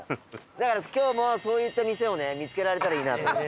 だから今日もそういった店をね見つけられたらいいなと。